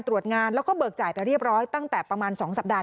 ตรวจงานแล้วก็เบิกจ่ายไปเรียบร้อยตั้งแต่ประมาณ๒สัปดาห